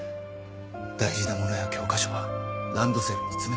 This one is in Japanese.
大事なものや教科書はランドセルに詰めなさい。